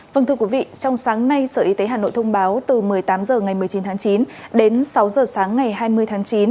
vâng thưa quý vị trong sáng nay sở y tế hà nội thông báo từ một mươi tám h ngày một mươi chín tháng chín đến sáu h sáng ngày hai mươi tháng chín